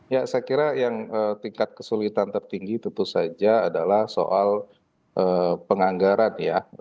ya saya kira yang tingkat kesulitan tertinggi tentu saja adalah soal penganggaran ya